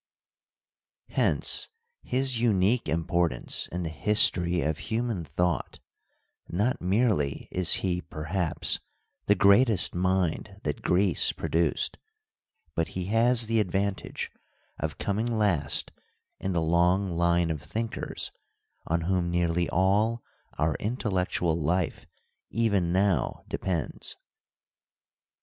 Hence his unique importance in the history of human thought : not merely is he, perhaps, the greatest mind that Greece produced, but he has the advantage of coming last in the long line of thinkers on whom nearly all our intellectual life even now depends.